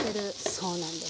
そうなんです。